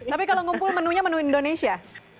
tapi kalau ngumpul menunya menu indonesia